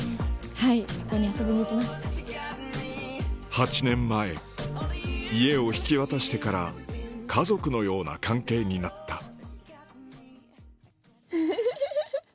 ８年前家を引き渡してから家族のような関係になったフフフフ。